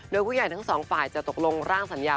โดยผู้ใหญ่ทั้งสองฝ่ายจะตกลงร่างสัญญา